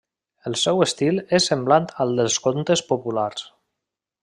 El seu estil és semblant al dels contes populars.